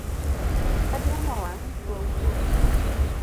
Kadiemo wang', ne wawuok.